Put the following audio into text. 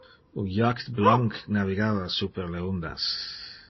Un yacht blanc navigava super le undas.